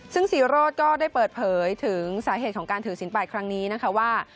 ซึ่งศรีโรธก็ได้เปิดเผยถึงสาเหตุของการถือศิลปะครั้งนี้นะคะว่า